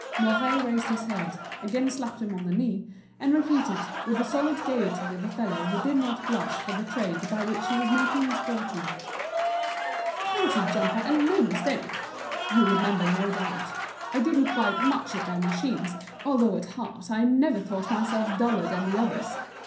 Mouret raised his head, again slapped him on the knee, and repeated, with the solid gaiety of a fellow who did not blush for the trade by which he was making his fortune: "Counter jumper, and no mistake! You remember, no doubt, I didn't bite much at their machines, although at heart I never thought myself duller than the others.